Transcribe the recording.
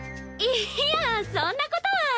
いやそんなことは。